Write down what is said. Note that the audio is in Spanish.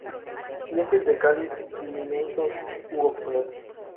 Dientes del cáliz diminutos u obsoletos.